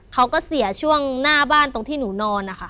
เขาก็เสียช่วงหน้าบ้านตรงที่หนูนอนนะคะ